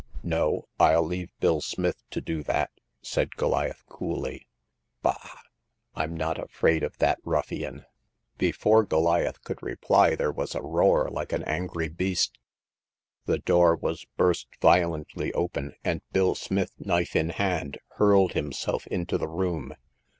" No ; rU leave Bill Smith to do that," said Goliath, coolly. Bah ! Tm not afraid of that ruffian !" Before Goliath could reply there was a roar like an angry beast^s, the door was burst violently open, and Bill Smith, knife in hand, hurled him self into the room.